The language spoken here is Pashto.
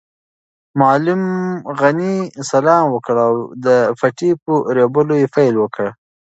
معلم غني سلام وکړ او د پټي په رېبلو یې پیل وکړ.